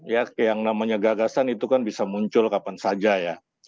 ya yang namanya gagasan itu kan bisa muncul kapan saja ya